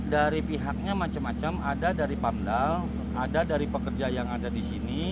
dari pihaknya macam macam ada dari pamdal ada dari pekerja yang ada di sini